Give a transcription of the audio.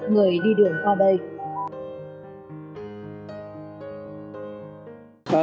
người đi đường qua đây